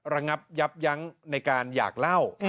ระงับยับยั้งในการอยากเล่า